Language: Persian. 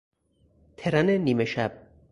ترن نیمه شب